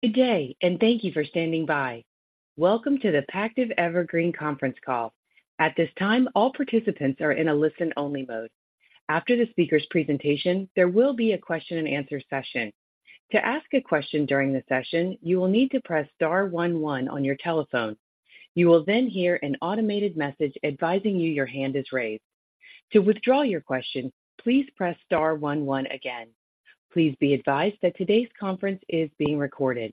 Good day, and thank you for standing by. Welcome to the Pactiv Evergreen Conference Call. At this time, all participants are in a listen-only mode. After the speaker's presentation, there will be a question-and-answer session. To ask a question during the session, you will need to press star one one on your telephone. You will then hear an automated message advising you your hand is raised. To withdraw your question, please press star one one again. Please be advised that today's conference is being recorded.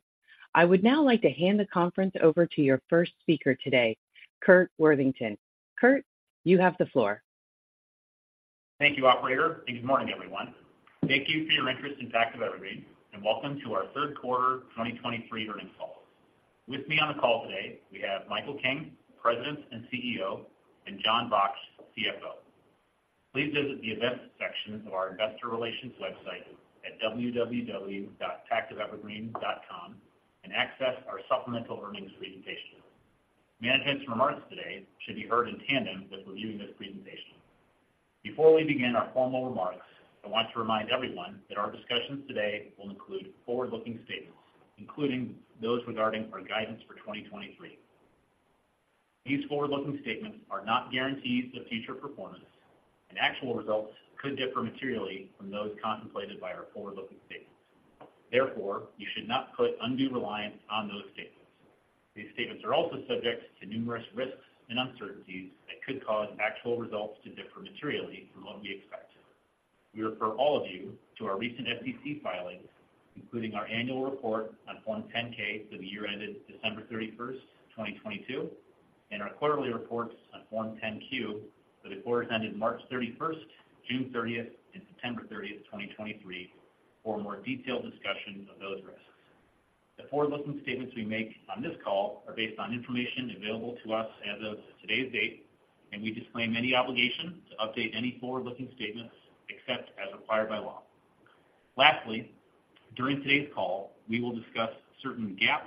I would now like to hand the conference over to your first speaker today, Curt Warthen. Curt, you have the floor. Thank you, operator, and good morning, everyone. Thank you for your interest in Pactiv Evergreen, and welcome to our Q3 2023 earnings call. With me on the call today, we have Michael King, President and CEO, and Jon Baksht, CFO. Please visit the events section of our investor relations website at www.pactivevergreen.com and access our supplemental earnings presentation. Management's remarks today should be heard in tandem with reviewing this presentation. Before we begin our formal remarks, I want to remind everyone that our discussions today will include forward-looking statements, including those regarding our guidance for 2023. These forward-looking statements are not guarantees of future performance, and actual results could differ materially from those contemplated by our forward-looking statements. Therefore, you should not put undue reliance on those statements. These statements are also subject to numerous risks and uncertainties that could cause actual results to differ materially from what we expect. We refer all of you to our recent SEC filings, including our annual report on Form 10-K for the year ended December 31, 2022, and our quarterly reports on Form 10-Q for the quarters ended March 31, June 30, and September 30, 2023, for a more detailed discussion of those risks. The forward-looking statements we make on this call are based on information available to us as of today's date, and we disclaim any obligation to update any forward-looking statements except as required by law. Lastly, during today's call, we will discuss certain GAAP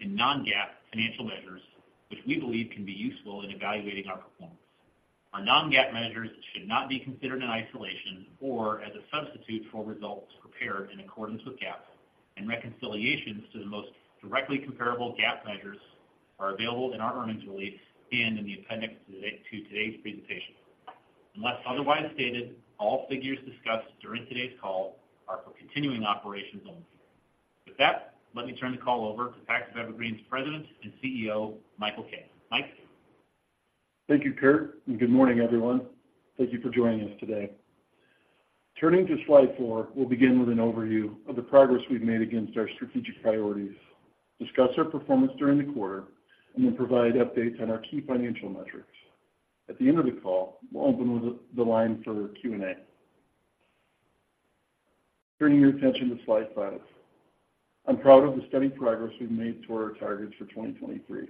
and non-GAAP financial measures, which we believe can be useful in evaluating our performance. Our non-GAAP measures should not be considered in isolation or as a substitute for results prepared in accordance with GAAP, and reconciliations to the most directly comparable GAAP measures are available in our earnings release and in the appendix to today's presentation. Unless otherwise stated, all figures discussed during today's call are for continuing operations only. With that, let me turn the call over to Pactiv Evergreen's President and CEO, Michael King. Mike? Thank you, Curt, and good morning, everyone. Thank you for joining us today. Turning to slide four, we'll begin with an overview of the progress we've made against our strategic priorities, discuss our performance during the quarter, and then provide updates on our key financial metrics. At the end of the call, we'll open the line for Q&A. Turning your attention to slide five. I'm proud of the steady progress we've made toward our targets for 2023.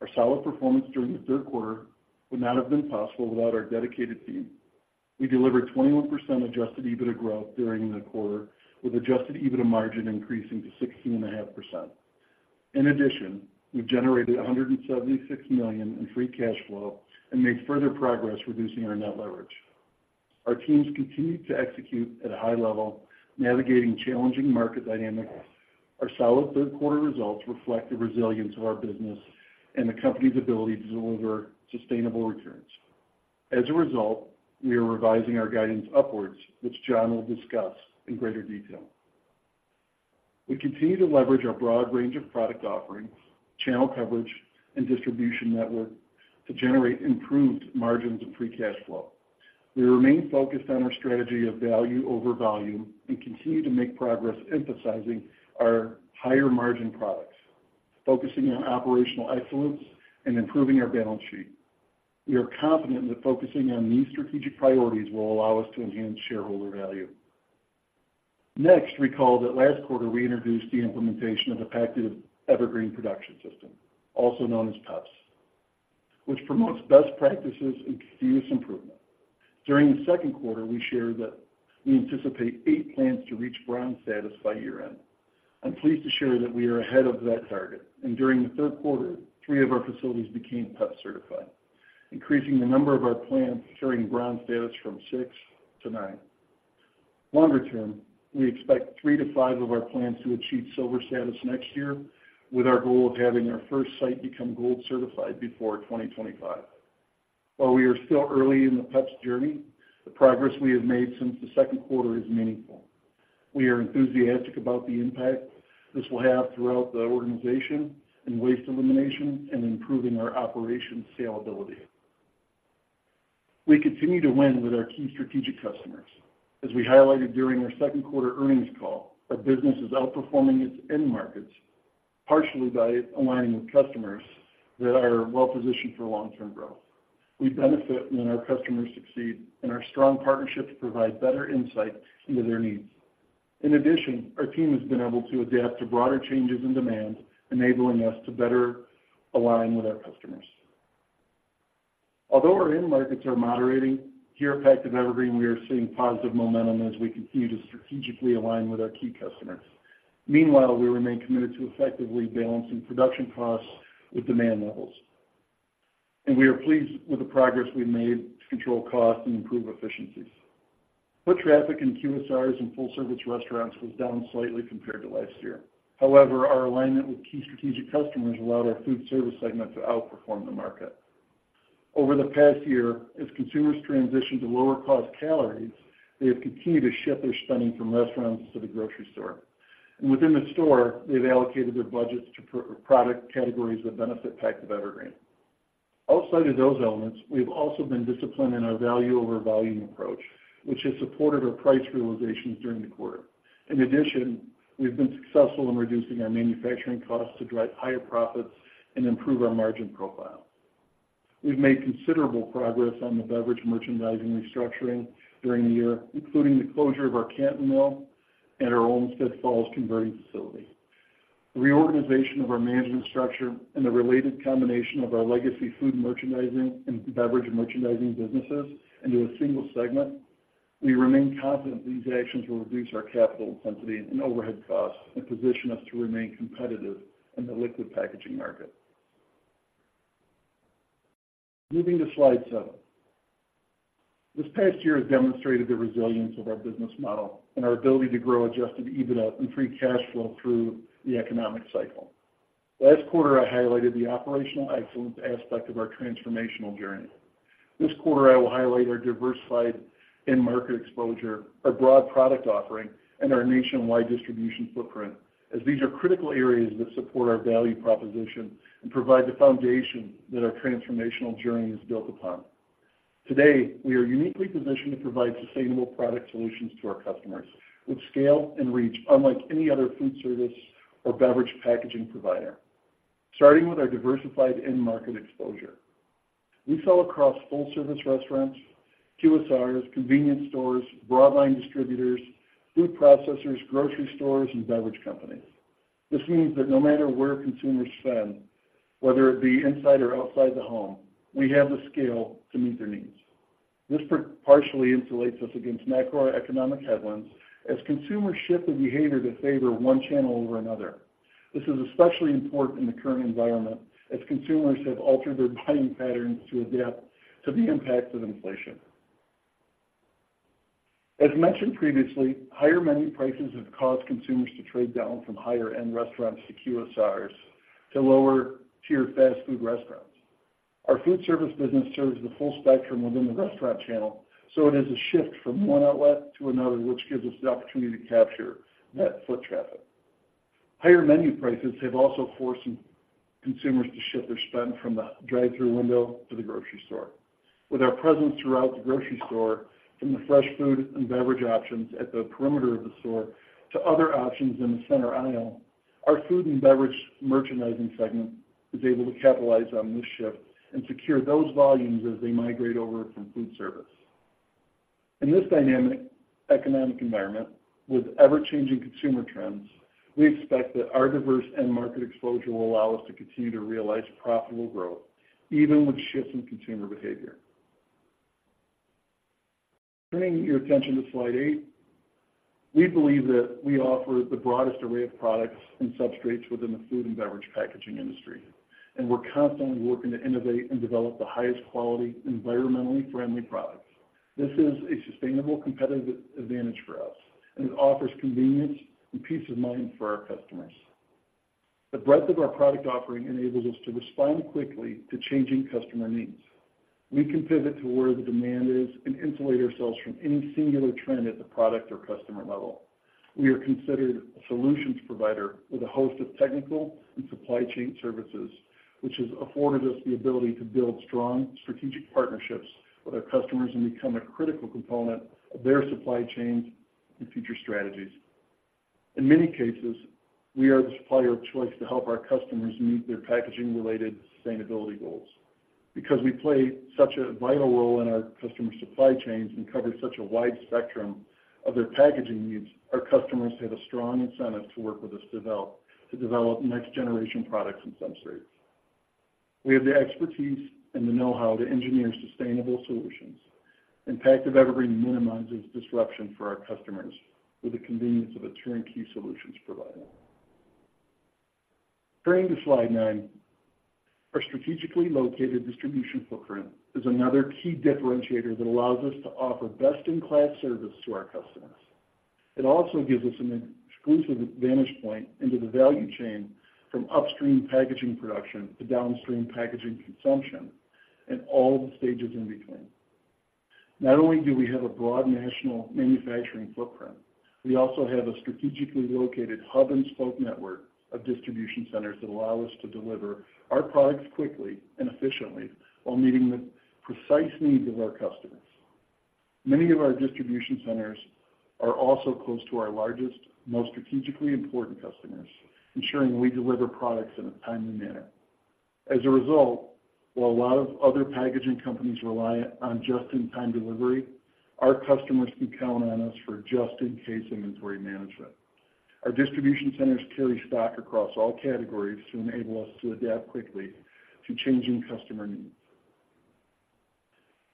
Our solid performance during the Q3 would not have been possible without our dedicated team. We delivered 21% Adjusted EBITDA growth during the quarter, with Adjusted EBITDA margin increasing to 16.5%. In addition, we've generated $176 million in free cash flow and made further progress reducing our net leverage. Our teams continued to execute at a high level, navigating challenging market dynamics. Our solid Q3 results reflect the resilience of our business and the company's ability to deliver sustainable returns. As a result, we are revising our guidance upwards, which Jon will discuss in greater detail. We continue to leverage our broad range of product offerings, channel coverage, and distribution network to generate improved margins and free cash flow. We remain focused on our strategy of value over volume and continue to make progress emphasizing our higher-margin products, focusing on operational excellence and improving our balance sheet. We are confident that focusing on these strategic priorities will allow us to enhance shareholder value. Next, recall that last quarter, we introduced the implementation of the Pactiv Evergreen Production System, also known as PEPS, which promotes best practices and continuous improvement. During the Q2, we shared that we anticipate eight plants to reach Bronze status by year-end. I'm pleased to share that we are ahead of that target, and during the Q3, three of our facilities became PEPS-certified, increasing the number of our plants carrying bronze status from six to nine. Longer term, we expect three to five of our plants to achieve silver status next year, with our goal of having our first site become gold certified before 2025. While we are still early in the PEPS journey, the progress we have made since the Q2 is meaningful. We are enthusiastic about the impact this will have throughout the organization in waste elimination and improving our operations scalability. We continue to win with our key strategic customers. As we highlighted during our Q2 earnings call, our business is outperforming its end markets, partially by aligning with customers that are well positioned for long-term growth. We benefit when our customers succeed, and our strong partnerships provide better insight into their needs. In addition, our team has been able to adapt to broader changes in demand, enabling us to better align with our customers. Although our end markets are moderating, here at Pactiv Evergreen, we are seeing positive momentum as we continue to strategically align with our key customers. Meanwhile, we remain committed to effectively balancing production costs with demand levels... and we are pleased with the progress we've made to control costs and improve efficiencies. Foot traffic in QSRs and full-service restaurants was down slightly compared to last year. However, our alignment with key strategic customers allowed our Foodservice segment to outperform the market. Over the past year, as consumers transition to lower-cost calories, they have continued to shift their spending from restaurants to the grocery store. Within the store, they've allocated their budgets to priority product categories that benefit Pactiv Evergreen. Outside of those elements, we've also been disciplined in our value over volume approach, which has supported our price realizations during the quarter. In addition, we've been successful in reducing our manufacturing costs to drive higher profits and improve our margin profile. We've made considerable progress on the beverage merchandising restructuring during the year, including the closure of our Canton Mill and our Olmsted Falls converting facility. The reorganization of our management structure and the related combination of ourlegacy Food Merchandising and Beverage Merchandising businesses into a single segment. We remain confident that these actions will reduce our capital intensity and overhead costs and position us to remain competitive in the liquid packaging market. Moving to slide seven. This past year has demonstrated the resilience of our business model and our ability to grow Adjusted EBITDA and free cash flow through the economic cycle. Last quarter, I highlighted the operational excellence aspect of our transformational journey. This quarter, I will highlight our diversified end market exposure, our broad product offering, and our nationwide distribution footprint, as these are critical areas that support our value proposition and provide the foundation that our transformational journey is built upon. Today, we are uniquely positioned to provide sustainable product solutions to our customers, with scale and reach unlike any other food service or beverage packaging provider. Starting with our diversified end market exposure, we sell across full-service restaurants, QSRs, convenience stores, broadline distributors, food processors, grocery stores, and beverage companies. This means that no matter where consumers spend, whether it be inside or outside the home, we have the scale to meet their needs. This partially insulates us against macroeconomic headwinds as consumers shift their behavior to favor one channel over another. This is especially important in the current environment, as consumers have altered their buying patterns to adapt to the impacts of inflation. As mentioned previously, higher menu prices have caused consumers to trade down from higher-end restaurants to QSRs to lower-tier fast food restaurants. Our food service business serves the full spectrum within the restaurant channel, so it is a shift from one outlet to another, which gives us the opportunity to capture that foot traffic. Higher menu prices have also forced consumers to shift their spend from the drive-thru window to the grocery store. With our presence throughout the grocery store, from the fresh food and beverage options at the perimeter of the store to other options in Food and Beverage Merchandising segment is able to capitalize on this shift and secure those volumes as they migrate over from food service. In this dynamic economic environment, with ever-changing consumer trends, we expect that our diverse end market exposure will allow us to continue to realize profitable growth, even with shifts in consumer behavior. Turning your attention to slide eight, we believe that we offer the broadest array of products and substrates within the food and beverage packaging industry, and we're constantly working to innovate and develop the highest quality, environmentally friendly products. This is a sustainable competitive advantage for us, and it offers convenience and peace of mind for our customers. The breadth of our product offering enables us to respond quickly to changing customer needs. We can pivot to where the demand is and insulate ourselves from any singular trend at the product or customer level. We are considered a solutions provider with a host of technical and supply chain services, which has afforded us the ability to build strong strategic partnerships with our customers and become a critical component of their supply chains and future strategies. In many cases, we are the supplier of choice to help our customers meet their packaging-related sustainability goals. Because we play such a vital role in our customers' supply chains and cover such a wide spectrum of their packaging needs, our customers have a strong incentive to work with us to develop next-generation products and substrates. We have the expertise and the know-how to engineer sustainable solutions, and Pactiv Evergreen minimizes disruption for our customers with the convenience of a turnkey solutions provider. Turning to slide nine, our strategically located distribution footprint is another key differentiator that allows us to offer best-in-class service to our customers. It also gives us an exclusive vantage point into the value chain, from upstream packaging production to downstream packaging consumption, and all the stages in between. Not only do we have a broad national manufacturing footprint, we also have a strategically located hub-and-spoke network of distribution centers that allow us to deliver our products quickly and efficiently while meeting the precise needs of our customers. Many of our distribution centers are also close to our largest, most strategically important customers, ensuring we deliver products in a timely manner. As a result, while a lot of other packaging companies rely on just-in-time delivery, our customers can count on us for just-in-case inventory management. Our distribution centers carry stock across all categories to enable us to adapt quickly to changing customer needs.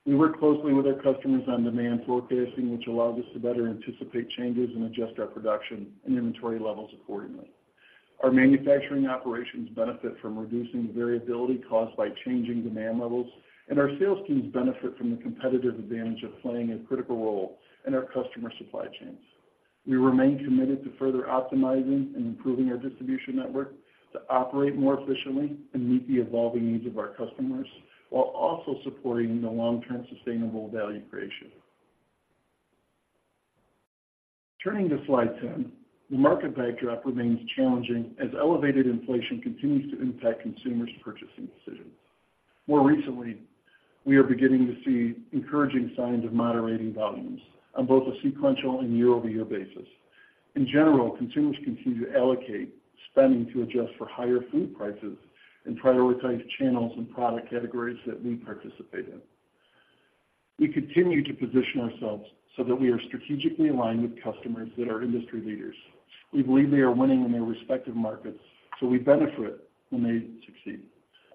We work closely with our customers on demand forecasting, which allows us to better anticipate changes and adjust our production and inventory levels accordingly. Our manufacturing operations benefit from reducing the variability caused by changing demand levels, and our sales teams benefit from the competitive advantage of playing a critical role in our customer supply chains. We remain committed to further optimizing and improving our distribution network to operate more efficiently and meet the evolving needs of our customers, while also supporting the long-term sustainable value creation. Turning to slide 10, the market backdrop remains challenging as elevated inflation continues to impact consumers' purchasing decisions. More recently, we are beginning to see encouraging signs of moderating volumes on both a sequential and YoY basis. In general, consumers continue to allocate spending to adjust for higher food prices and prioritize channels and product categories that we participate in. We continue to position ourselves so that we are strategically aligned with customers that are industry leaders. We believe they are winning in their respective markets, so we benefit when they succeed.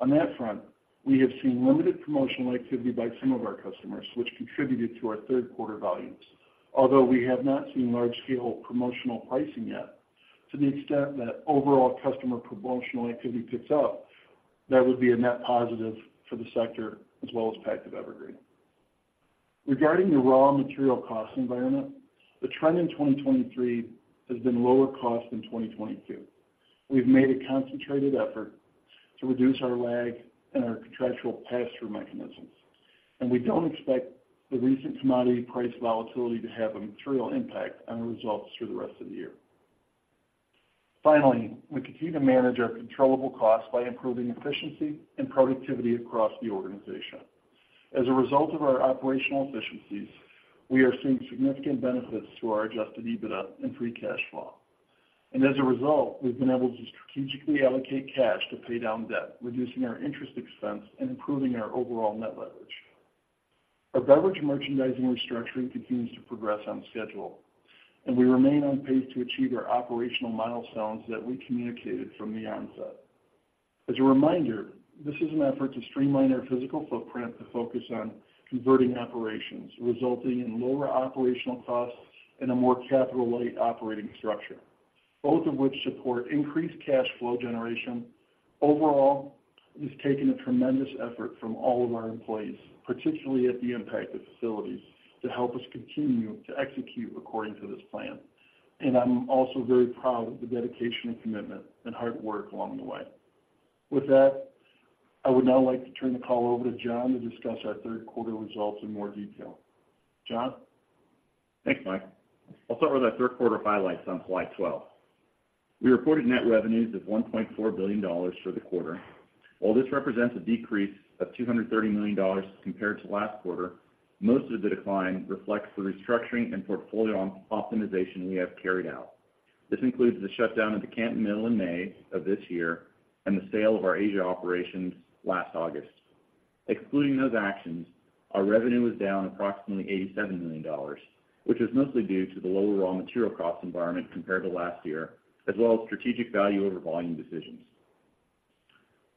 On that front, we have seen limited promotional activity by some of our customers, which contributed to our Q3 volumes. Although we have not seen large-scale promotional pricing yet, to the extent that overall customer promotional activity picks up, that would be a net positive for the sector as well as Pactiv Evergreen. Regarding the raw material cost environment, the trend in 2023 has been lower cost than 2022. We've made a concentrated effort to reduce our lag and our contractual pass-through mechanisms, and we don't expect the recent commodity price volatility to have a material impact on the results through the rest of the year. Finally, we continue to manage our controllable costs by improving efficiency and productivity across the organization. As a result of our operational efficiencies, we are seeing significant benefits to our Adjusted EBITDA and free cash flow. As a result, we've been able to strategically allocate cash to pay down debt, reducing our interest expense and improving our overall net leverage. Our beverage merchandising restructuring continues to progress on schedule, and we remain on pace to achieve our operational milestones that we communicated from the onset. As a reminder, this is an effort to streamline our physical footprint to focus on converting operations, resulting in lower operational costs and a more capital-light operating structure, both of which support increased cash flow generation. Overall, it's taken a tremendous effort from all of our employees, particularly at the impacted facilities, to help us continue to execute according to this plan. I'm also very proud of the dedication and commitment and hard work along the way. With that, I would now like to turn the call over to Jon to discuss our Q3 results in more detail. Jon? Thanks, Mike. I'll start with our Q3 highlights on slide 12. We reported net revenues of $1.4 billion for the quarter. While this represents a decrease of $230 million compared to last quarter, most of the decline reflects the restructuring and portfolio optimization we have carried out. This includes the shutdown of the Canton Mill in May of this year and the sale of our Asia operations last August. Excluding those actions, our revenue was down approximately $87 million, which is mostly due to the lower raw material cost environment compared to last year, as well as strategic value over volume decisions.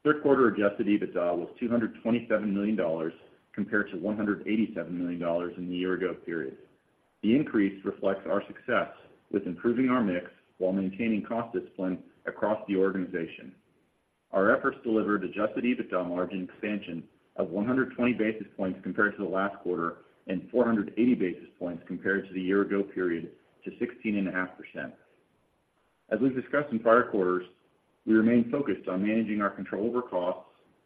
Q3 Adjusted EBITDA was $227 million, compared to $187 million in the year ago period. The increase reflects our success with improving our mix while maintaining cost discipline across the organization. Our efforts delivered Adjusted EBITDA margin expansion of 120 basis points compared to the last quarter and 480 basis points compared to the year ago period to 16.5%. As we've discussed in prior quarters, we remain focused on managing our control over costs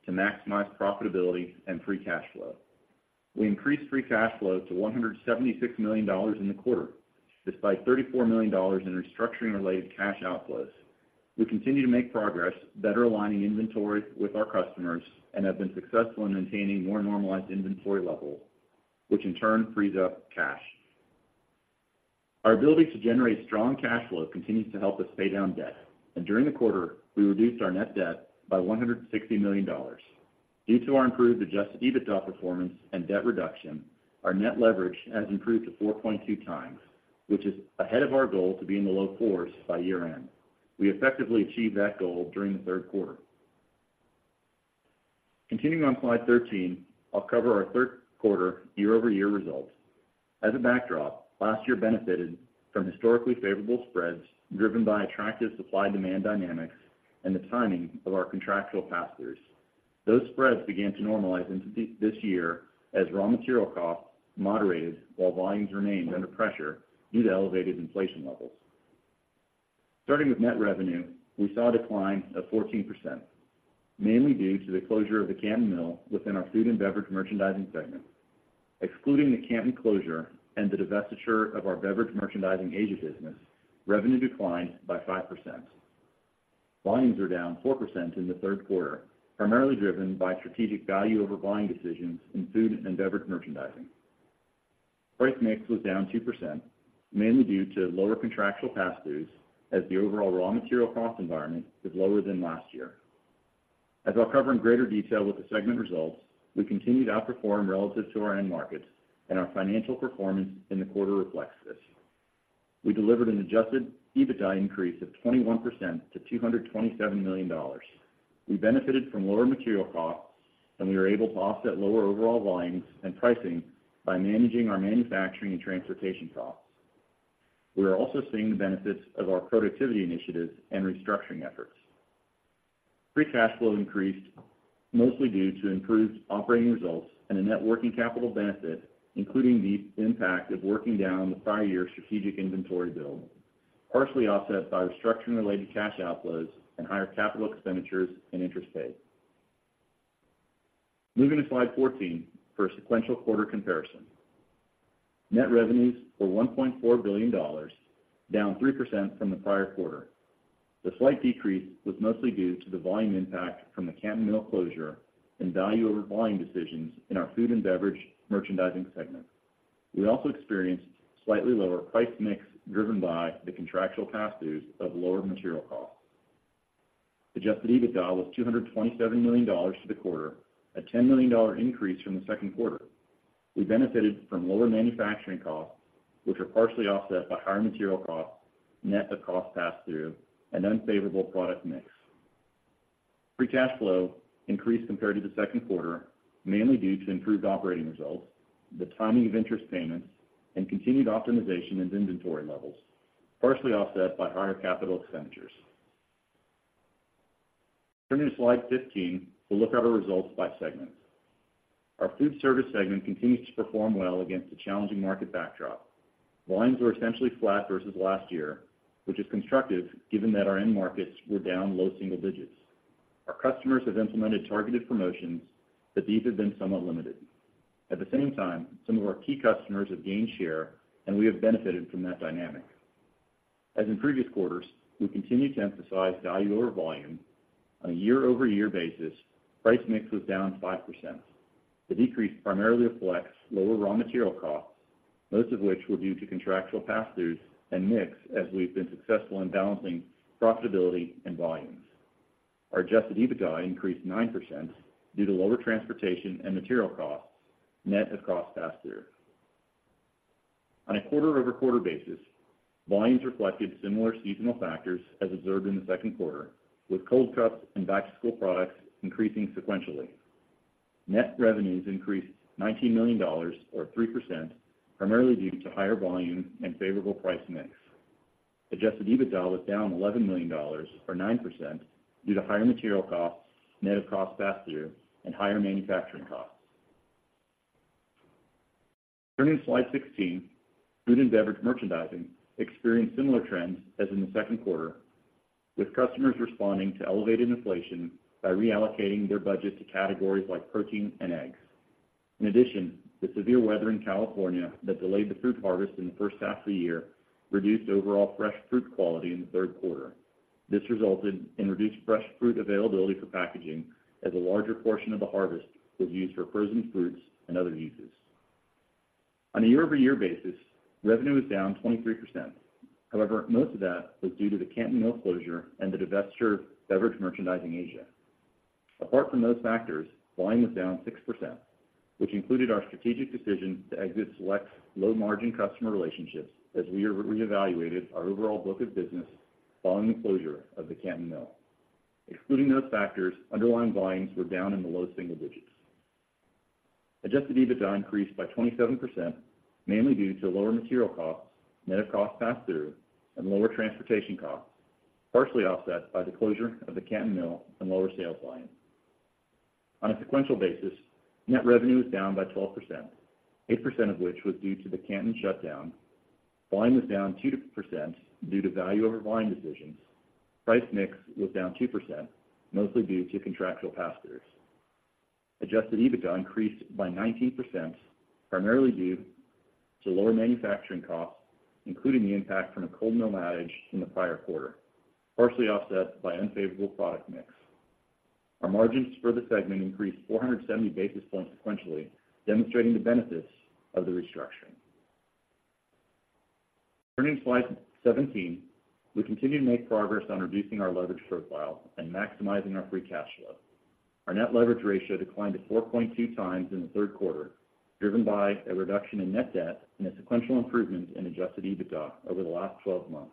to maximize profitability and free cash flow. We increased free cash flow to $176 million in the quarter, despite $34 million in restructuring-related cash outflows. We continue to make progress, better aligning inventory with our customers and have been successful in maintaining more normalized inventory levels, which in turn frees up cash. Our ability to generate strong cash flow continues to help us pay down debt, and during the quarter, we reduced our net debt by $160 million. Due to our improved adjusted EBITDA performance and debt reduction, our net leverage has improved to 4.2 times, which is ahead of our goal to be in the low fours by year-end. We effectively achieved that goal during the Q3. Continuing on slide 13, I'll cover our Q3 YoY results. As a backdrop, last year benefited from historically favorable spreads, driven by attractive supply-demand dynamics and the timing of our contractual pass-throughs. Those spreads began to normalize into this year as raw material costs moderated, while volumes remained under pressure due to elevated inflation levels. Starting with net revenue, we saw a decline of 14%, mainly due to the closure of Food and Beverage Merchandising segment. excluding the canton closure and the divestiture of our Beverage Merchandising Asia business, revenue declined by 5%. Volumes are down 4% in the Q3, primarily driven by strategic value over volume decisions in food and beverage merchandising. Price mix was down 2%, mainly due to lower contractual pass-throughs as the overall raw material cost environment is lower than last year. As I'll cover in greater detail with the segment results, we continue to outperform relative to our end markets, and our financial performance in the quarter reflects this. We delivered an Adjusted EBITDA increase of 21% to $227 million. We benefited from lower material costs, and we were able to offset lower overall volumes and pricing by managing our manufacturing and transportation costs. We are also seeing the benefits of our productivity initiatives and restructuring efforts. free cash flow increased, mostly due to improved operating results and a net working capital benefit, including the impact of working down the prior year's strategic inventory build, partially offset by restructuring-related cash outflows and higher capital expenditures and interest paid. Moving to slide 14 for a sequential quarter comparison. Net revenues were $1.4 billion, down 3% from the prior quarter. The slight decrease was mostly due to the volume impact from the Canton Mill closure and value over Food and Beverage Merchandising segment. we also experienced slightly lower price mix, driven by the contractual pass-throughs of lower material costs. Adjusted EBITDA was $227 million for the quarter, a $10 million increase from the Q2. We benefited from lower manufacturing costs, which were partially offset by higher material costs, net of costs passed through, and unfavorable product mix. free cash flow increased compared to the Q2, mainly due to improved operating results, the timing of interest payments, and continued optimization in inventory levels, partially offset by higher capital expenditures. Turning to slide 15, we'll look at our results by segment. Our foodservice segment continues to perform well against a challenging market backdrop. Volumes were essentially flat versus last year, which is constructive given that our end markets were down low single digits. Our customers have implemented targeted promotions, but these have been somewhat limited. At the same time, some of our key customers have gained share, and we have benefited from that dynamic. As in previous quarters, we continue to emphasize value over volume. On a YoY basis, price mix was down 5%. The decrease primarily reflects lower raw material costs, most of which were due to contractual pass-throughs and mix, as we've been successful in balancing profitability and volumes. Our Adjusted EBITDA increased 9% due to lower transportation and material costs, net of cost pass-through. On a QoQ basis, volumes reflected similar seasonal factors as observed in the Q2, with cold cuts and back-to-school products increasing sequentially. Net revenues increased $19 million or 3%, primarily due to higher volume and favorable price mix. Adjusted EBITDA was down $11 million, or 9%, due to higher material costs, net of cost pass-through, and higher manufacturing costs. Turning to slide 16, food and beverage merchandising experienced similar trends as in the Q2, with customers responding to elevated inflation by reallocating their budget to categories like protein and eggs. In addition, the severe weather in California that delayed the fruit harvest in the first half of the year reduced overall fresh fruit quality in the Q3. This resulted in reduced fresh fruit availability for packaging, as a larger portion of the harvest was used for frozen fruits and other uses. On a YoY basis, revenue was down 23%. However, most of that was due to the Canton Mill closure and the divestiture of Beverage Merchandising Asia. Apart from those factors, volume was down 6%, which included our strategic decision to exit select low-margin customer relationships as we reevaluated our overall book of business following the closure of the Canton Mill. Excluding those factors, underlying volumes were down in the low single digits. Adjusted EBITDA increased by 27%, mainly due to lower material costs, net of costs passed through, and lower transportation costs, partially offset by the closure of the Canton Mill and lower sales volume. On a sequential basis, net revenue was down by 12%, 8% of which was due to the Canton shutdown. Volume was down 2% due to value over volume decisions. Price mix was down 2%, mostly due to contractual pass-throughs. Adjusted EBITDA increased by 19%, primarily due to lower manufacturing costs, including the impact from the cold mill outage in the prior quarter, partially offset by unfavorable product mix. Our margins for the segment increased 470 basis points sequentially, demonstrating the benefits of the restructuring. Turning to slide 17, we continue to make progress on reducing our leverage profile and maximizing our free cash flow. Our net leverage ratio declined to 4.2x in the Q3, driven by a reduction in net debt and a sequential improvement in adjusted EBITDA over the last 12 months.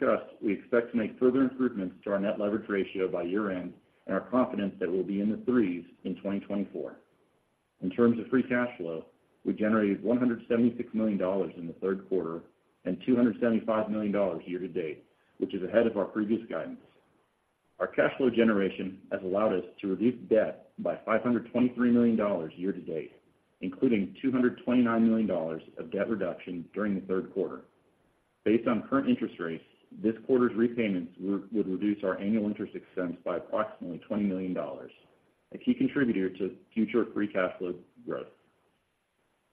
As discussed, we expect to make further improvements to our net leverage ratio by year-end and are confident that we'll be in the threes in 2024. In terms of free cash flow, we generated $176 million in the Q3 and $275 million year to date, which is ahead of our previous guidance. Our cash flow generation has allowed us to reduce debt by $523 million year to date, including $229 million of debt reduction during the Q3. Based on current interest rates, this quarter's repayments would reduce our annual interest expense by approximately $20 million, a key contributor to future free cash flow growth.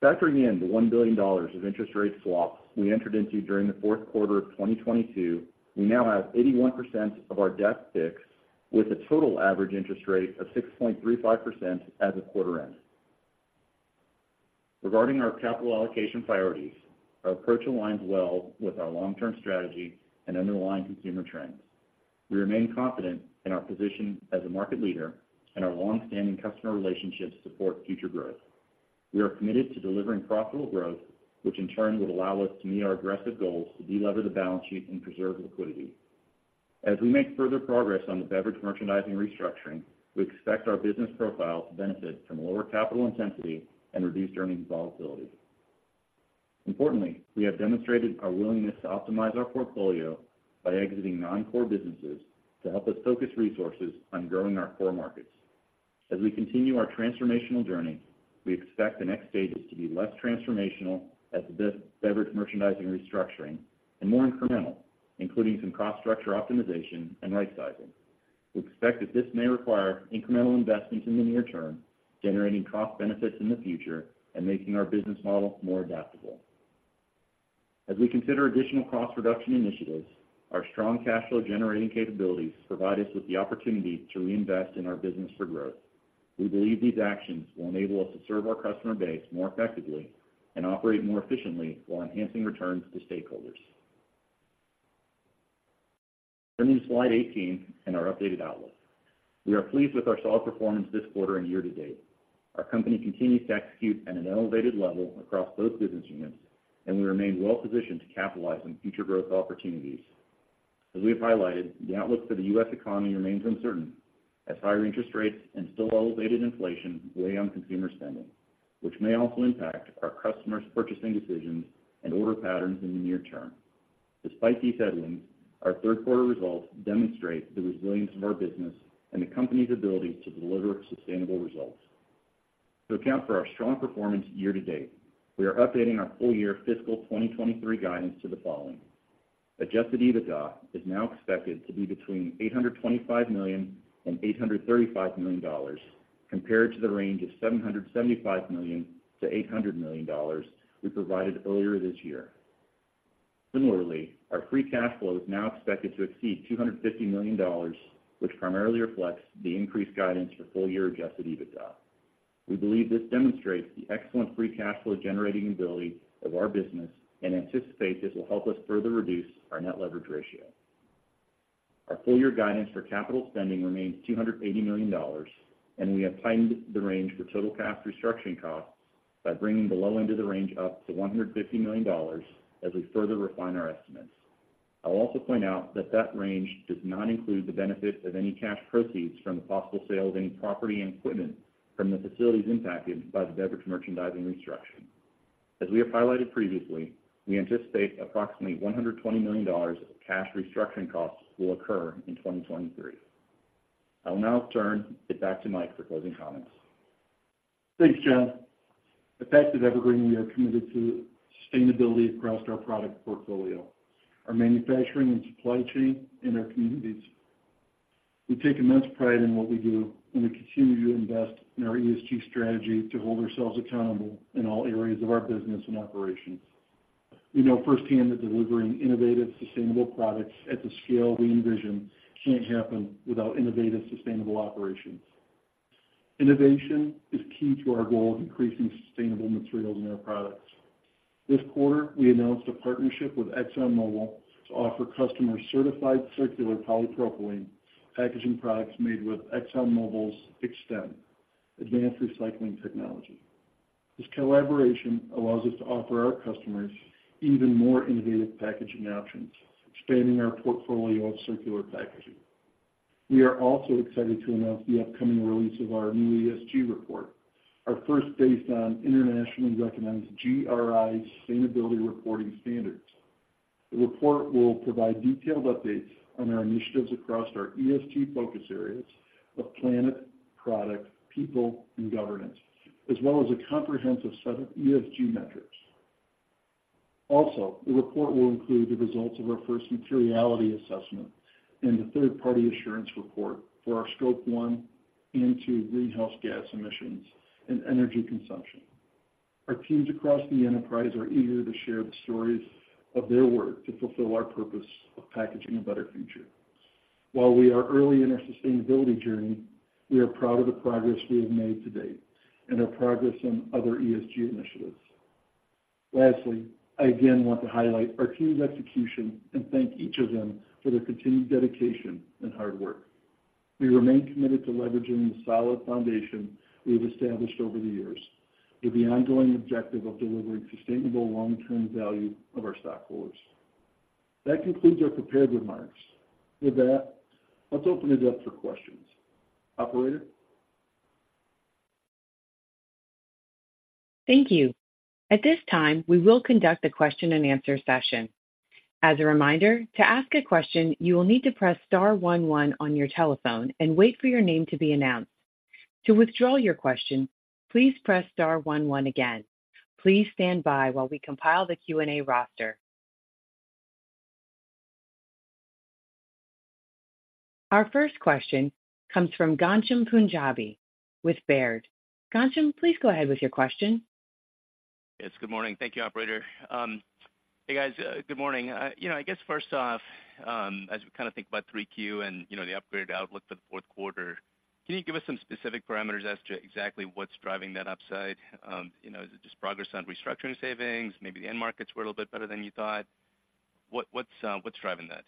Factoring in the $1 billion of interest rate swaps we entered into during the Q4 of 2022, we now have 81% of our debt fixed, with a total average interest rate of 6.35% as of quarter end. Regarding our capital allocation priorities, our approach aligns well with our long-term strategy and underlying consumer trends.... We remain confident in our position as a market leader, and our long-standing customer relationships support future growth. We are committed to delivering profitable growth, which in turn, would allow us to meet our aggressive goals to delever the balance sheet and preserve liquidity. As we make further progress on the beverage merchandising restructuring, we expect our business profile to benefit from lower capital intensity and reduced earnings volatility. Importantly, we have demonstrated our willingness to optimize our portfolio by exiting non-core businesses to help us focus resources on growing our core markets. As we continue our transformational journey, we expect the next stages to be less transformational as the beverage merchandising restructuring and more incremental, including some cost structure optimization and rightsizing. We expect that this may require incremental investments in the near term, generating cost benefits in the future, and making our business model more adaptable. As we consider additional cost reduction initiatives, our strong cash flow-generating capabilities provide us with the opportunity to reinvest in our business for growth. We believe these actions will enable us to serve our customer base more effectively and operate more efficiently while enhancing returns to stakeholders. Turning to slide 18 and our updated outlook. We are pleased with our solid performance this quarter and year to date. Our company continues to execute at an elevated level across both business units, and we remain well positioned to capitalize on future growth opportunities. As we have highlighted, the outlook for the U.S. economy remains uncertain as higher interest rates and still elevated inflation weigh on consumer spending, which may also impact our customers' purchasing decisions and order patterns in the near term. Despite these headwinds, our Q3 results demonstrate the resilience of our business and the company's ability to deliver sustainable results. To account for our strong performance year to date, we are updating our full-year fiscal 2023 guidance to the following: Adjusted EBITDA is now expected to be between $825 million and $835 million, compared to the range of $775 million-$800 million we provided earlier this year. Similarly, our free cash flow is now expected to exceed $250 million, which primarily reflects the increased guidance for full-year Adjusted EBITDA. We believe this demonstrates the excellent free cash flow-generating ability of our business and anticipate this will help us further reduce our net leverage ratio. Our full-year guidance for capital spending remains $280 million, and we have tightened the range for total cash restructuring costs by bringing the low end of the range up to $150 million as we further refine our estimates. I'll also point out that that range does not include the benefit of any cash proceeds from the possible sale of any property and equipment from the facilities impacted by the beverage merchandising restructuring. As we have highlighted previously, we anticipate approximately $120 million of cash restructuring costs will occur in 2023. I'll now turn it back to Mike for closing comments. Thanks, Jon. At Pactiv Evergreen, we are committed to sustainability across our product portfolio, our manufacturing and supply chain, and our communities. We take immense pride in what we do, and we continue to invest in our ESG strategy to hold ourselves accountable in all areas of our business and operations. We know firsthand that delivering innovative, sustainable products at the scale we envision can't happen without innovative, sustainable operations. Innovation is key to our goal of increasing sustainable materials in our products. This quarter, we announced a partnership with ExxonMobil to offer customers certified circular polypropylene packaging products made with ExxonMobil's Exxtend advanced recycling technology. This collaboration allows us to offer our customers even more innovative packaging options, expanding our portfolio of circular packaging. We are also excited to announce the upcoming release of our new ESG report, our first based on internationally recognized GRI Sustainability Reporting Standards. The report will provide detailed updates on our initiatives across our ESG focus areas of planet, product, people, and governance, as well as a comprehensive set of ESG metrics. Also, the report will include the results of our first materiality assessment and the third-party assurance report for our Scope one and two greenhouse gas emissions and energy consumption. Our teams across the enterprise are eager to share the stories of their work to fulfill our purpose of packaging a better future. While we are early in our sustainability journey, we are proud of the progress we have made to date and our progress on other ESG initiatives. Lastly, I again want to highlight our team's execution and thank each of them for their continued dedication and hard work. We remain committed to leveraging the solid foundation we have established over the years, with the ongoing objective of delivering sustainable long-term value of our stockholders. That concludes our prepared remarks. With that, let's open it up for questions. Operator? Thank you. At this time, we will conduct a question-and-answer session. As a reminder, to ask a question, you will need to press star one one on your telephone and wait for your name to be announced. To withdraw your question, please press star one one again. Please stand by while we compile the Q&A roster. Our first question comes from Ghansham Panjabi with Baird. Ghansham, please go ahead with your question. Yes, good morning. Thank you, operator. Hey, guys, good morning. You know, I guess first off, as we kind of think about 3Q and, you know, the upgraded outlook for the Q4. Can you give us some specific parameters as to exactly what's driving that upside? You know, is it just progress on restructuring savings? Maybe the end markets were a little bit better than you thought. What, what's driving that?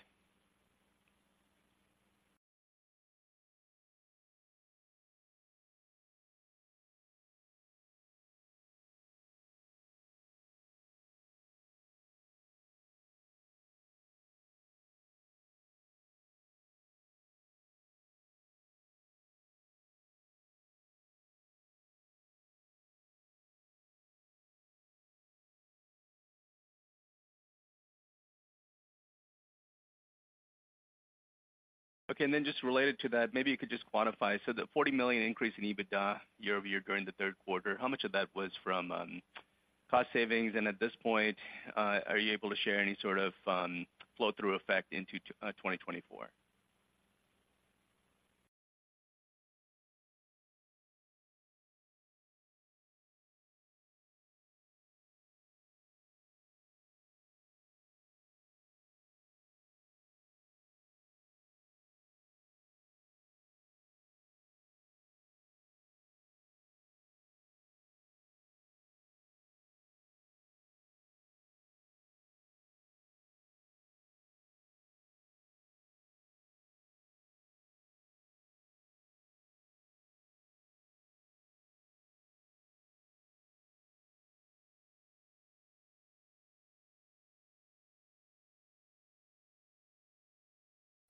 Okay, and then just related to that, maybe you could just quantify. So the $40 million increase in EBITDA YoY during the Q3, how much of that was from cost savings? And at this point, are you able to share any sort of flow-through effect into 2024?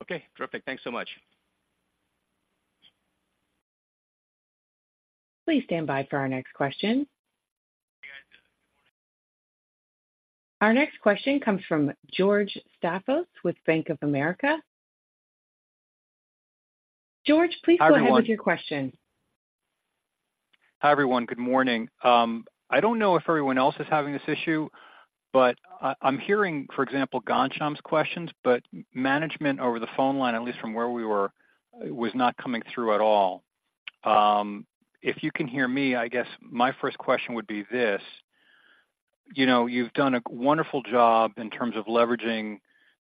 Okay, perfect. Thanks so much. Please stand by for our next question. Our next question comes from George Staphos with Bank of America. George, please go ahead with your question. Hi, everyone. Good morning. I don't know if everyone else is having this issue, but I, I'm hearing, for example, Ghansham's questions, but management over the phone line, at least from where we were, was not coming through at all. If you can hear me, I guess my first question would be this: You know, you've done a wonderful job in terms of leveraging,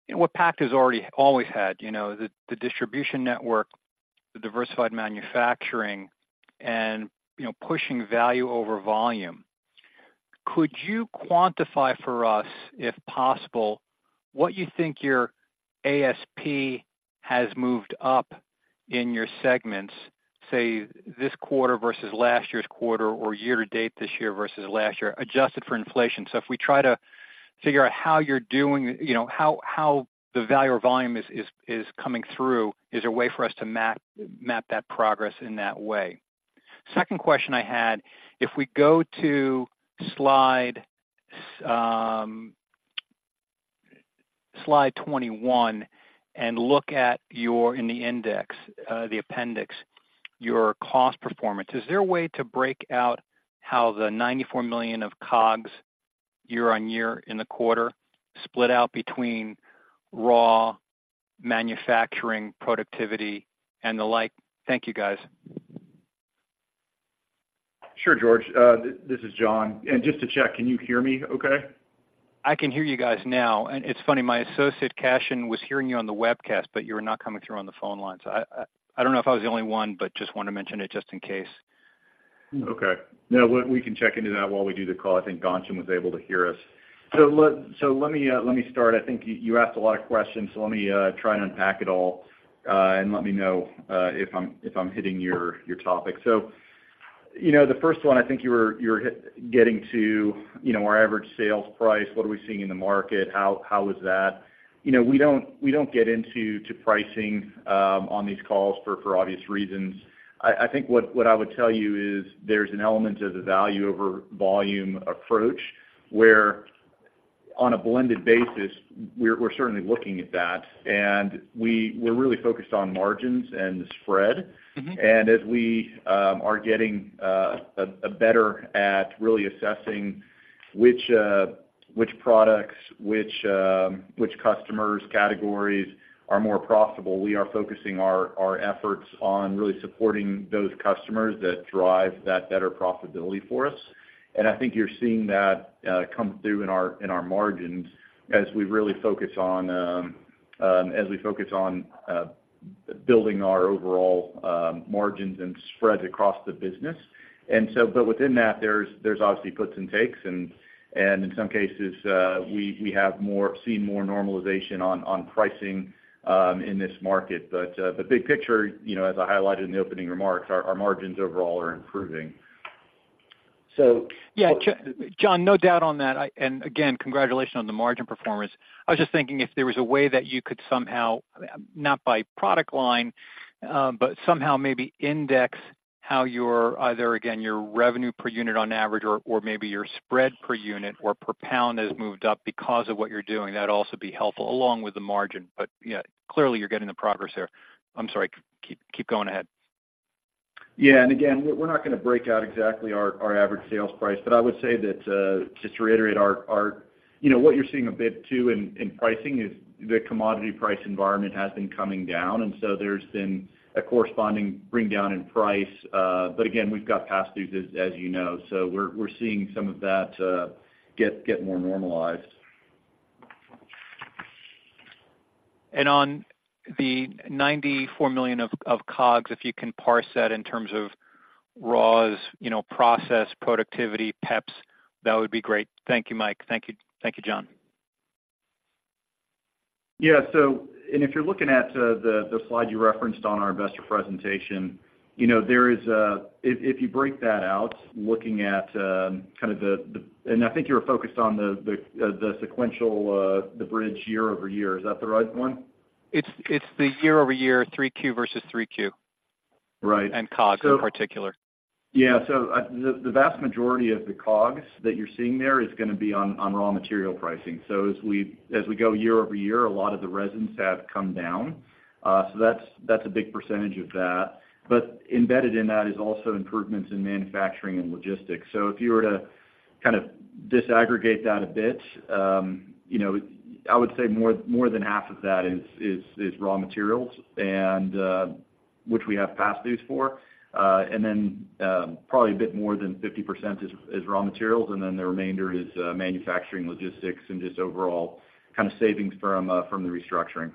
you know, what Pactiv has already always had, you know, the distribution network, the diversified manufacturing, and, you know, pushing value over volume. Could you quantify for us, if possible, what you think your ASP has moved up in your segments, say, this quarter versus last year's quarter or year to date this year versus last year, adjusted for inflation? So if we try to figure out how you're doing, you know, how the value or volume is coming through, is there a way for us to map that progress in that way? Second question I had, if we go to slide 21 and look at your—in the index, the appendix, your cost performance, is there a way to break out how the $94 million of COGS, year-on-year in the quarter, split out between raw manufacturing, productivity, and the like? Thank you, guys. Sure, George. This is Jon. Just to check, can you hear me okay? I can hear you guys now. It's funny, my associate, Kashan, was hearing you on the webcast, but you were not coming through on the phone line. I don't know if I was the only one, but just wanted to mention it just in case. Okay. No, we can check into that while we do the call. I think Ghansham was able to hear us. So let me start. I think you asked a lot of questions, so let me try and unpack it all, and let me know if I'm hitting your topic. So, you know, the first one, I think you were getting to, you know, our average sales price. What are we seeing in the market? How is that? You know, we don't get into pricing on these calls for obvious reasons.I think what I would tell you is there's an element of the value over volume approach, where on a blended basis, we're certainly looking at that, and we're really focused on margins and the spread. Mm-hmm. And as we are getting better at really assessing which products, which customers, categories are more profitable, we are focusing our efforts on really supporting those customers that drive that better profitability for us. And I think you're seeing that come through in our margins as we really focus on building our overall margins and spreads across the business. And so, but within that, there's obviously puts and takes, and in some cases, we have seen more normalization on pricing in this market. But the big picture, you know, as I highlighted in the opening remarks, our margins overall are improving. So- Yeah, Jon, no doubt on that. And again, congratulations on the margin performance. I was just thinking if there was a way that you could somehow, not by product line, but somehow maybe index how your, either again, your revenue per unit on average or, or maybe your spread per unit or per pound has moved up because of what you're doing. That'd also be helpful, along with the margin. But, yeah, clearly, you're getting the progress here. I'm sorry. Keep going ahead. Yeah, and again, we're not gonna break out exactly our average sales price. But I would say that, just to reiterate our... You know, what you're seeing a bit, too, in pricing is the commodity price environment has been coming down, and so there's been a corresponding bring down in price. But again, we've got pass-throughs, as you know, so we're seeing some of that get more normalized. On the $94 million of, of COGS, if you can parse that in terms of raws, you know, process, productivity, PEPs, that would be great. Thank you, Mike. Thank you. Thank you, Jon. Yeah, if you're looking at the slide you referenced on our investor presentation, you know, there is a, if you break that out, looking at kind of the and I think you were focused on the sequential, the bridge YoY. Is that the right one? It's the YoY, 3Q versus 3Q. Right. COGS in particular. Yeah, so, the, the vast majority of the COGS that you're seeing there is gonna be on, on raw material pricing. So as we, as we go YoY, a lot of the resins have come down. So that's, that's a big percentage of that. But embedded in that is also improvements in manufacturing and logistics. So if you were to kind of disaggregate that a bit, you know, I would say more, more than half of that is, is, is raw materials, and, which we have passed these for. And then, probably a bit more than 50% is, is raw materials, and then the remainder is, manufacturing, logistics, and just overall kind of savings from, from the restructuring.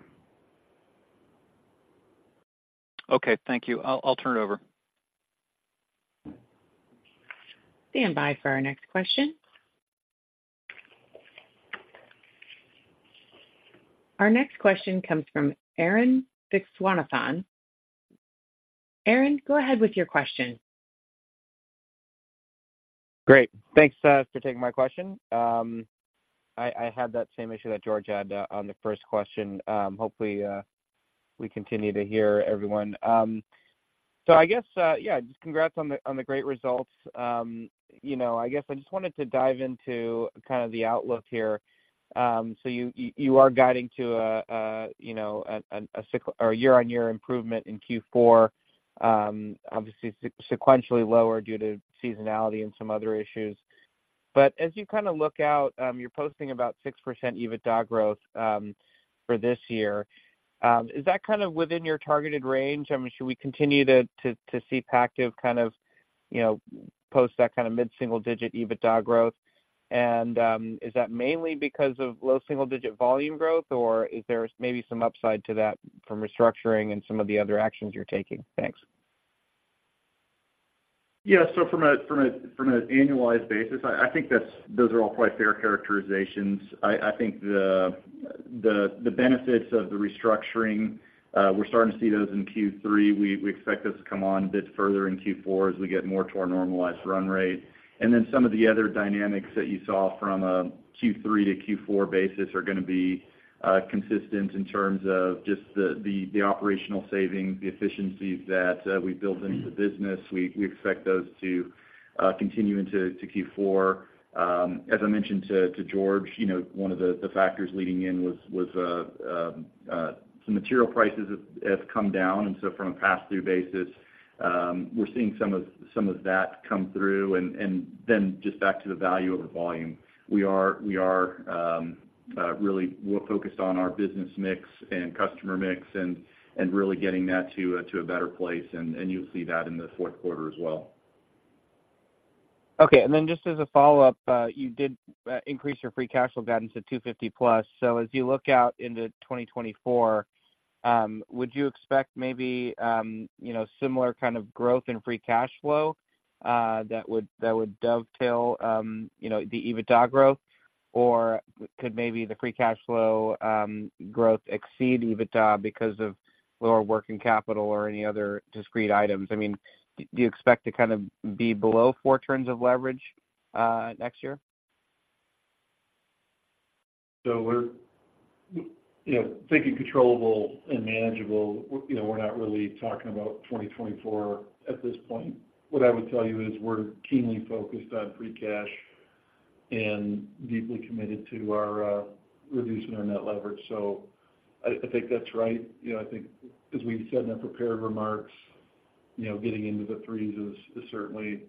Okay, thank you. I'll turn it over. Standby for our next question. Our next question comes from Arun Viswanathan. Arun, go ahead with your question. Great. Thanks for taking my question. I had that same issue that George had on the first question. Hopefully, we continue to hear everyone. So I guess, yeah, just congrats on the great results. You know, I guess I just wanted to dive into kind of the outlook here. So you are guiding to a year-on-year improvement in Q4, obviously, sequentially lower due to seasonality and some other issues. But as you kind of look out, you're posting about 6% EBITDA growth for this year. Is that kind of within your targeted range? I mean, should we continue to see Pactiv kind of, you know, post that kind of mid-single digit EBITDA growth? Is that mainly because of low single-digit volume growth, or is there maybe some upside to that from restructuring and some of the other actions you're taking? Thanks. Yeah, so from an annualized basis, I think that's those are all quite fair characterizations. I think the benefits of the restructuring we're starting to see those in Q3. We expect those to come on a bit further in Q4 as we get more to our normalized run rate. And then some of the other dynamics that you saw from a Q3 to Q4 basis are gonna be consistent in terms of just the operational savings, the efficiencies that we built into the business. We expect those to continue into Q4. As I mentioned to George, you know, one of the factors leading in was some material prices have come down, and so from a pass-through basis, we're seeing some of that come through, and then just back to the value over volume. We are really more focused on our business mix and customer mix, and really getting that to a better place, and you'll see that in the Q4 as well. Okay. And then just as a follow-up, you did increase your free cash flow guidance to $250+. So as you look out into 2024, would you expect maybe, you know, similar kind of growth in free cash flow, that would, that would dovetail, you know, the EBITDA growth? Or could maybe the free cash flow growth exceed EBITDA because of lower working capital or any other discrete items? I mean, do you expect to kind of be below four turns of leverage next year? So we're, you know, thinking controllable and manageable, you know, we're not really talking about 2024 at this point. What I would tell you is we're keenly focused on free cash and deeply committed to our reducing our net leverage. So I think that's right. You know, I think as we said in our prepared remarks, you know, getting into the threes is certainly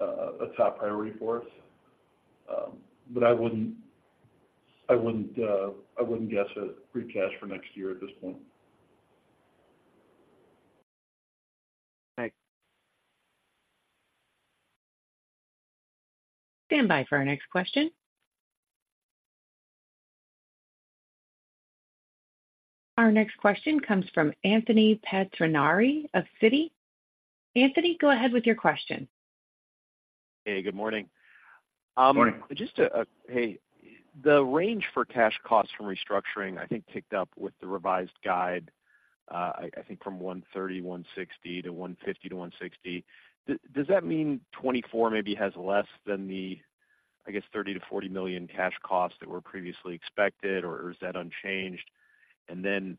a top priority for us. But I wouldn't guess a free cash for next year at this point. Thanks. Standby for our next question. Our next question comes from Anthony Pettinari of Citi. Anthony, go ahead with your question. Hey, good morning. Good morning. Just, hey, the range for cash costs from restructuring, I think, ticked up with the revised guide, I, I think from $130-$160 million to $150-$160 million. Does that mean 2024 maybe has less than the, I guess, $30-$40 million cash costs that were previously expected, or, or is that unchanged? And then,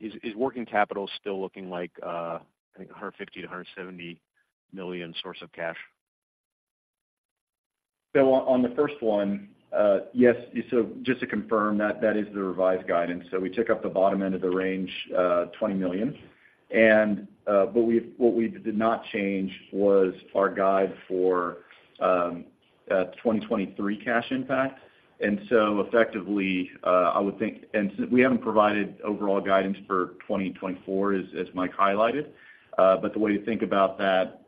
is, is working capital still looking like, I think, $150-$170 million source of cash? So on the first one, yes, so just to confirm, that is the revised guidance. So we took up the bottom end of the range, $20 million. But what we did not change was our guide for 2023 cash impact. And so effectively, I would think, and we haven't provided overall guidance for 2024, as Mike highlighted. But the way to think about that,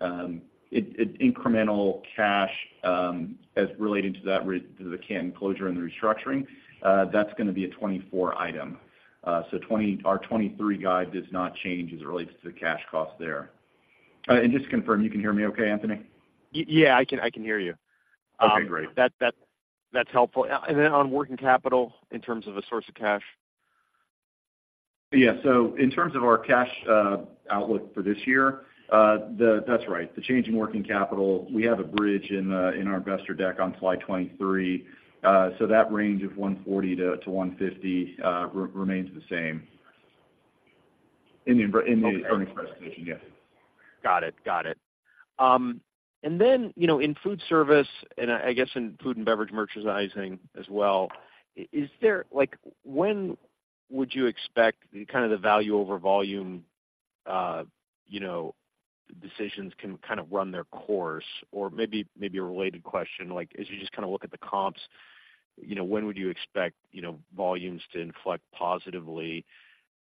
it incremental cash, as relating to that to the Canton closure and the restructuring, that's gonna be a 2024 item. So our 2023 guide does not change as it relates to the cash costs there. Just to confirm, you can hear me okay, Anthony? Yeah, I can, I can hear you. Okay, great. That's helpful. And then on working capital, in terms of a source of cash? Yeah. So in terms of our cash outlook for this year, that's right. The change in working capital, we have a bridge in our investor deck on slide 23. So that range of $140-$150 remains the same. In the inver- Okay. In the earnings presentation, yes. Got it. Got it. And then, you know, in foodservice, and I guess, in food and beverage merchandising as well, is there—like, when would you expect the kind of the value over volume, you know, decisions can kind of run their course? Or maybe a related question, like, as you just kind of look at the comps, you know, when would you expect, you know, volumes to inflect positively?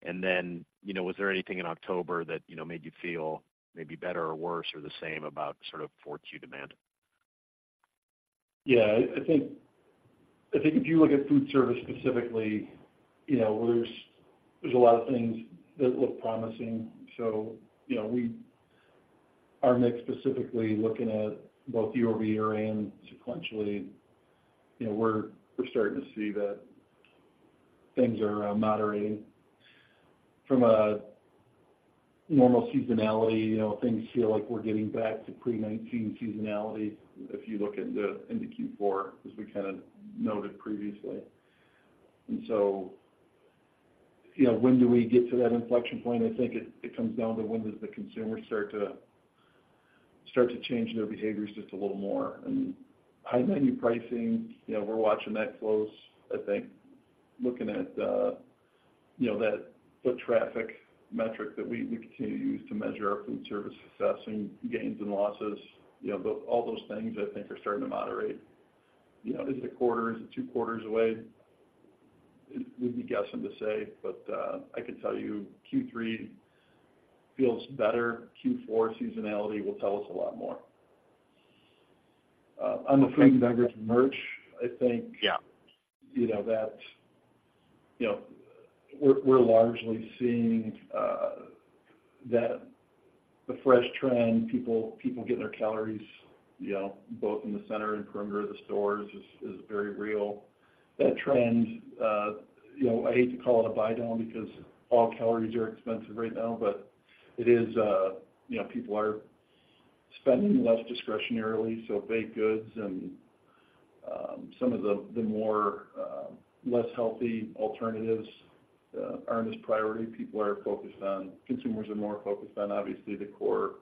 And then, you know, was there anything in October that, you know, made you feel maybe better or worse or the same about sort of 4Q demand? Yeah, I think if you look at food service specifically, you know, there's a lot of things that look promising. So, you know, we are mixed, specifically looking at both YoY and sequentially. You know, we're starting to see that things are moderating. From a normal seasonality, you know, things feel like we're getting back to pre-2019 seasonality, if you look into Q4, as we kind of noted previously. And so, you know, when do we get to that inflection point? I think it comes down to when does the consumer start to change their behaviors just a little more. And high menu pricing, you know, we're watching that close, I think. Looking at, you know, that foot traffic metric that we continue to use to measure our food service success and gains and losses, you know, all those things, I think, are starting to moderate. You know, is it a quarter, is it two quarters away? We'd be guessing to say, but, I could tell you Q3 feels better. Q4 seasonality will tell us a lot more. On the food and beverage merch, I think- Yeah -you know, that, you know, we're, we're largely seeing that the fresh trend, people getting their calories, you know, both in the center and perimeter of the stores is very real. That trend, you know, I hate to call it a buy-down because all calories are expensive right now, but it is, you know, people are spending less discretionarily, so baked goods and some of the, the more less healthy alternatives aren't as priority. People are focused on, consumers are more focused on, obviously, the core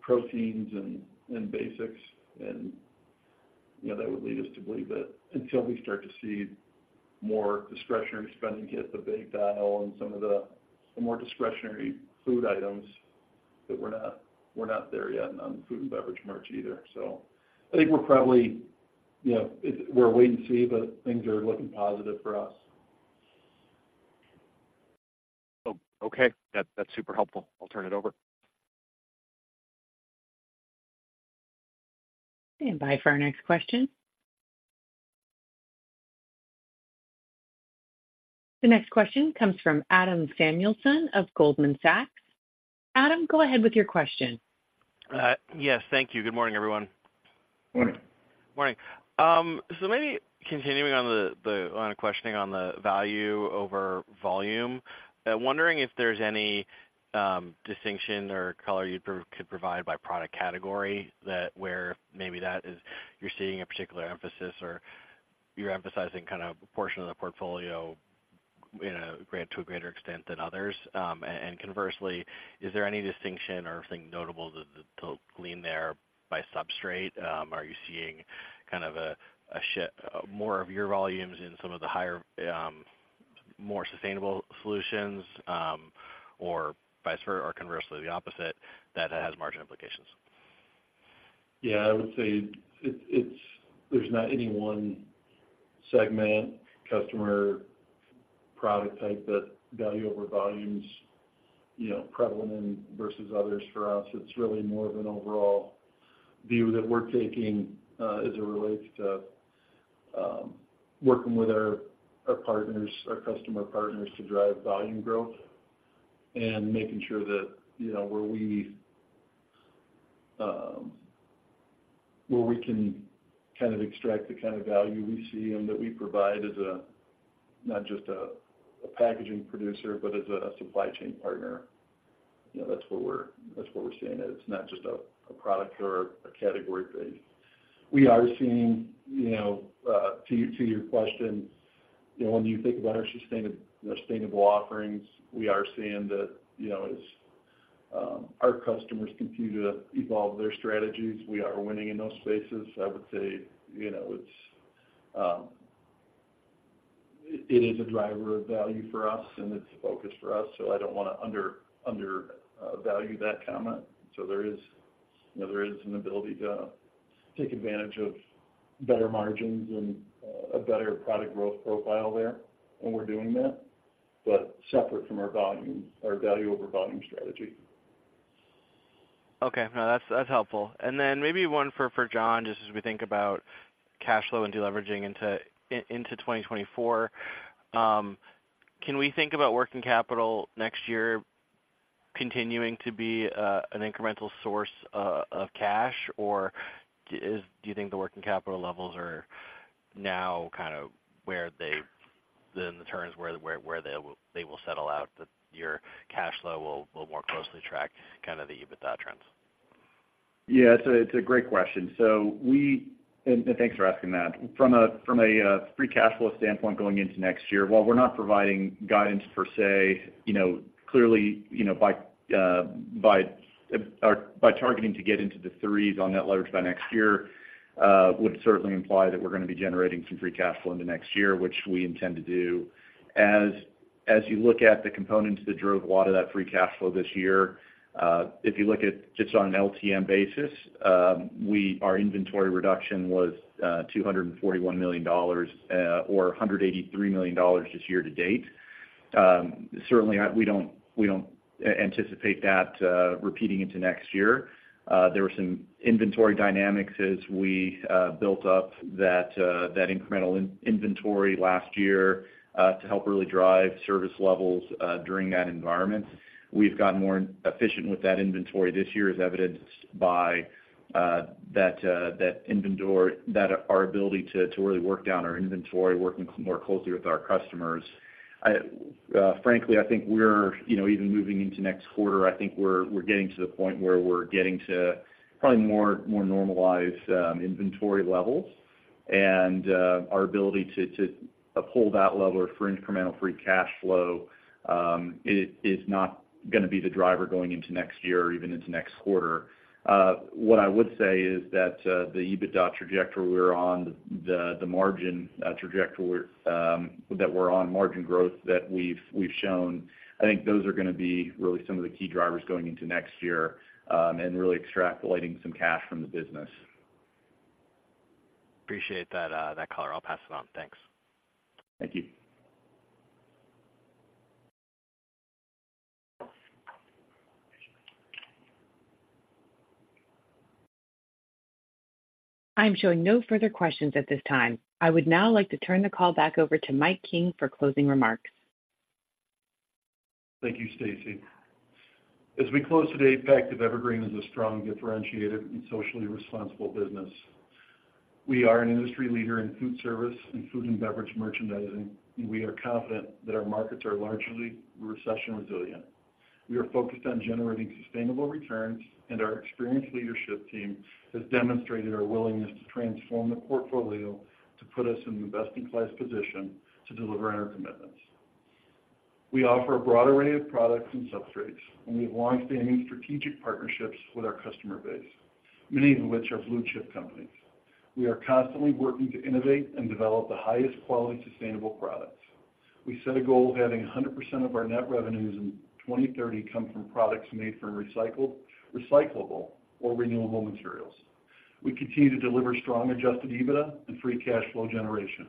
proteins and basics. And, you know, that would lead us to believe that until we start to see more discretionary spending hit the baked aisle and some of the, the more discretionary food items, that we're not, we're not there yet on food and beverage merch either. I think we're probably, you know, it's a wait and see, but things are looking positive for us. Oh, okay. That, that's super helpful. I'll turn it over. Standby for our next question. The next question comes from Adam Samuelson of Goldman Sachs. Adam, go ahead with your question. Yes, thank you. Good morning, everyone. Morning. Morning. So maybe continuing on the questioning on the value over volume, wondering if there's any distinction or color you could provide by product category, that where maybe that is, you're seeing a particular emphasis or you're emphasizing kind of a portion of the portfolio to a greater extent than others. And conversely, is there any distinction or anything notable to glean there by substrate? Are you seeing kind of a shift more of your volumes in some of the higher more sustainable solutions, or vice versa, or conversely, the opposite, that has margin implications? Yeah, I would say it's, there's not any one segment, customer, product type, that value over volume is, you know, prevalent versus others for us. It's really more of an overall view that we're taking as it relates to working with our partners, our customer partners, to drive volume growth. And making sure that, you know, where we can kind of extract the kind of value we see and that we provide as a, not just a packaging producer, but as a supply chain partner. You know, that's what we're seeing, that it's not just a product or a category play. We are seeing, you know, to your question, you know, when you think about our sustainable offerings, we are seeing that, you know, as our customers continue to evolve their strategies, we are winning in those spaces. I would say, you know, it is a driver of value for us, and it's a focus for us, so I don't want to undervalue that comment. So there is, you know, there is an ability to take advantage of better margins and a better product growth profile there, and we're doing that, but separate from our volume, our value over volume strategy. Okay. No, that's, that's helpful. And then maybe one for, for Jon, just as we think about cash flow and deleveraging into 2024. Can we think about working capital next year continuing to be an incremental source of cash? Or do you think the working capital levels are now kind of where they, then the turns where they will settle out, that your cash flow will more closely track kind of the EBITDA trends? Yeah, it's a great question. So, and thanks for asking that. From a free cash flow standpoint, going into next year, while we're not providing guidance per se, you know, clearly, you know, by targeting to get into the threes on net leverage by next year, would certainly imply that we're gonna be generating some free cash flow into next year, which we intend to do. As you look at the components that drove a lot of that free cash flow this year, if you look at just on an LTM basis, our inventory reduction was $241 million, or $183 million this year to date. Certainly, we don't anticipate that repeating into next year. There were some inventory dynamics as we built up that incremental inventory last year to help really drive service levels during that environment. We've gotten more efficient with that inventory this year, as evidenced by that our ability to really work down our inventory, working more closely with our customers. I frankly I think we're, you know, even moving into next quarter, I think we're getting to the point where we're getting to probably more normalized inventory levels. And our ability to uphold that level or for incremental free cash flow, it is not gonna be the driver going into next year or even into next quarter. What I would say is that the EBITDA trajectory we're on, the margin trajectory that we're on, margin growth that we've shown, I think those are gonna be really some of the key drivers going into next year, and really extrapolating some cash from the business. Appreciate that, that color. I'll pass it on. Thanks. Thank you. I'm showing no further questions at this time. I would now like to turn the call back over to Mike King for closing remarks. Thank you, Stacy. As we close today, Pactiv Evergreen is a strong, differentiated, and socially responsible business. We are an industry leader in food service and food and beverage merchandising, and we are confident that our markets are largely recession resilient. We are focused on generating sustainable returns, and our experienced leadership team has demonstrated our willingness to transform the portfolio to put us in the best-in-class position to deliver on our commitments. We offer a broad array of products and substrates, and we have longstanding strategic partnerships with our customer base, many of which are blue chip companies. We are constantly working to innovate and develop the highest quality, sustainable products. We set a goal of having 100% of our net revenues in 2030 come from products made from recycled, recyclable, or renewable materials. We continue to deliver strong Adjusted EBITDA and free cash flow generation,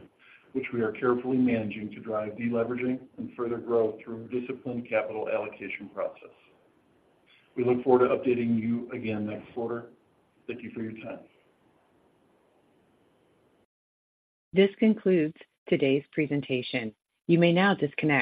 which we are carefully managing to drive deleveraging and further growth through a disciplined capital allocation process. We look forward to updating you again next quarter. Thank you for your time. This concludes today's presentation. You may now disconnect.